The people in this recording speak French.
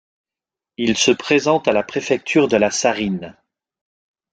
Il se présente à la Préfecture de la Sarine.